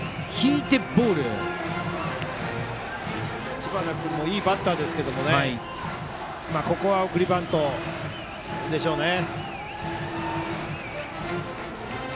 知花君もいいバッターですけどここは送りバントでしょうね。